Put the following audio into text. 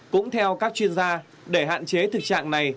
cũng theo các chuyên gia để hạn chế thực trạng này